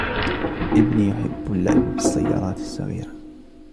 ابني يحب اللعب بالسيارات الصغيرة